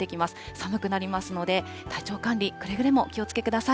寒くなりますので、体調管理、くれぐれもお気をつけください。